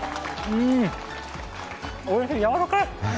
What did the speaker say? おいしい、やわらかい！